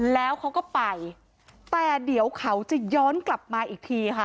แล้วเขาก็ไปแต่เดี๋ยวเขาจะย้อนกลับมาอีกทีค่ะ